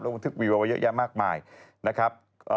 และทึกวิวาวะเย็บมากมายนะครับ